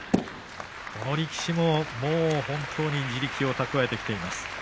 この力士も地力を蓄えてきています。